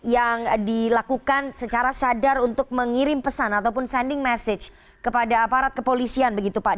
yang dilakukan secara sadar untuk mengirim pesan ataupun sending message kepada aparat kepolisian begitu pak